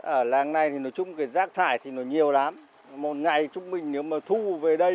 ở làng này thì nói chung cái rác thải thì nó nhiều lắm một ngày trung bình nếu mà thu về đây